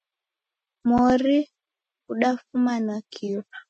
Mori ghudafuma nakio.